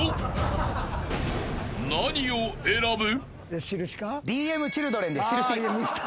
［何を選ぶ？］